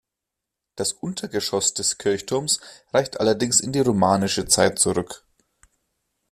Das Untergeschoss des Kirchturms reicht allerdings in die romanische Zeit zurück.